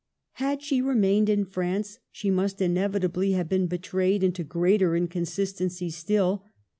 Had she remained in France, she must inevi tably have been betrayed into greater inconsist encies still.